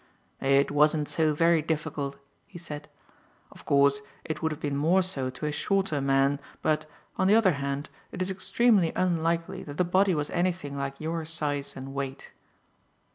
"It wasn't so very difficult," he said. "Of course, it would have been more so to a shorter man, but, on the other hand, it is extremely unlikely that the body was anything like your size and weight."